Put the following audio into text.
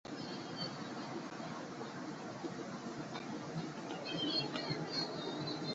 隋唐初武将。